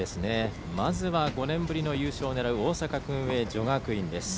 まずは５年ぶりの優勝を狙う大阪薫英女学院です。